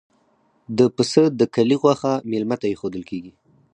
د پسه د کلي غوښه میلمه ته ایښودل کیږي.